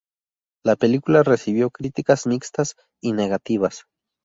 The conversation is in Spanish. La película recibió críticas mixtas y negativas.